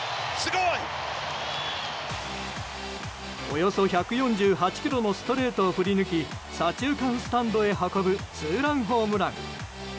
およそ１４８キロのストレートを振り抜き左中間スタンドへ運ぶツーランホームラン。